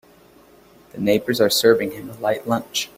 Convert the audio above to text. The neighbors are serving him a light lunch.